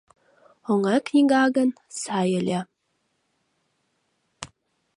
Оҥай книга гын, сай ыле.